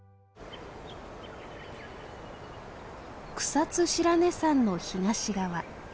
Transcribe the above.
草津白根山の東側。